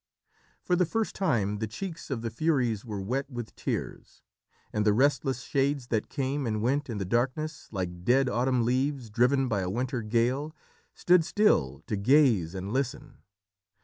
For the first time, the cheeks of the Furies were wet with tears, and the restless shades that came and went in the darkness, like dead autumn leaves driven by a winter gale, stood still to gaze and listen.